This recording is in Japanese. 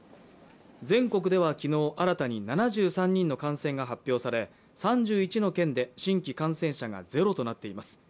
全国では昨日新たに７３人の感染が発表され３１の県で新規感染者が０となっています。